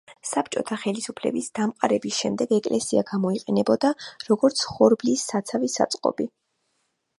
საბჭოტა ხელისუფლების დამყარების შემდეგ ეკლესია გამოიყენებოდა როგორც ხორბლის საცავი საწყობი.